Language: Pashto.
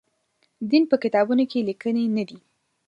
دین په کتابونو کې لیکلي نه دی.